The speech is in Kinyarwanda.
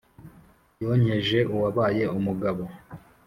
yonkeje uwabaye umugabo